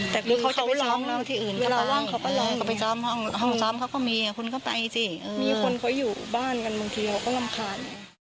แต่พี่เขาจะไปซ้อมห้องซ้อมเขาก็มีคุณก็ไปจิมีคนเขาอยู่บ้านกันบางทีเราก็รำคาญ